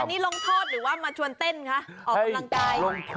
อันนี้ลงโทษหรือว่ามาชวนเต้นคะออกกำลังกาย